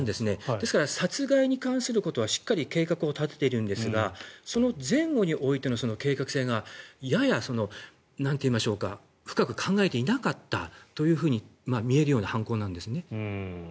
ですから殺害に関することはしっかり計画を立てているんですがその前後に置いての計画性がややなんといいましょうか深く考えていなかったというふうに見えるような犯行なんですね。